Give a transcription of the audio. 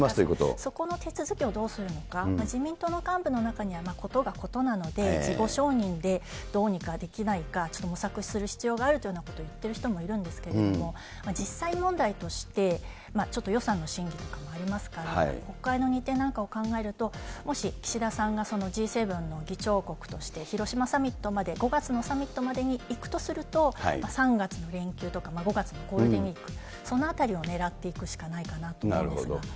そこの手続きをどうするのか、自民党の幹部の中には、ことがことなので、事後承認でどうにかできないか、ちょっと模索する必要があるというようなことを言ってる人もいるんですけれども、実際問題として、ちょっと予算の審議とかもありますから、国会の日程なんかを考えると、もし岸田さんがそのＧ７の議長国として、広島サミットまで、５月のサミットまでに行くとすると、３月の連休とか、５月のゴールデンウィーク、そのあたりをねらっていくしかないかなと思うんですけど。